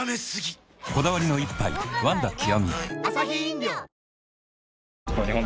こだわりの一杯「ワンダ極」